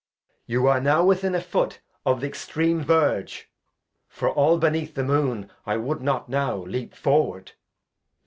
You are now within a Foot of th'extream Verge. For aU beneath the Moon I wou'd not now Leap forward.